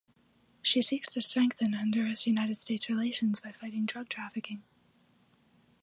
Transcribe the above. She seeks to strengthen Honduras–United States relations by fighting drug trafficking.